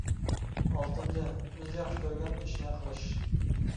ئالتىنچى، ئۆزى ياخشى كۆرگەن ئىشنى قىلىش.